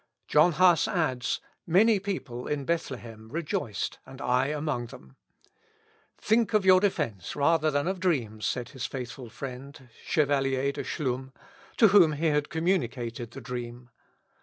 John Huss adds, "Many people in Bethlehem rejoiced, and I among them." "Think of your defence, rather than of dreams," said his faithful Friend, Chevalier de Chlum, to whom he had communicated the dream.